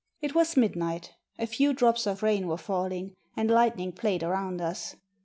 It was midnight; a few drops of rain were falling, and lightning played around us.